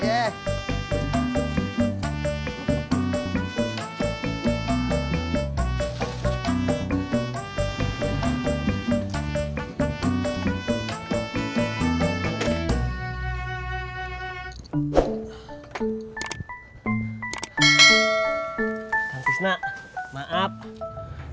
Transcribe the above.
kayanya motornya harus diservis